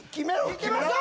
いきましょう！